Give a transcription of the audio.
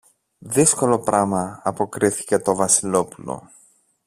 Δύσκολο πράμα, αποκρίθηκε το Βασιλόπουλο.